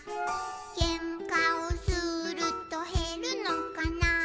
「けんかをするとへるのかな」